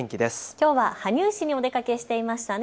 きょうは羽生市にお出かけしていましたね。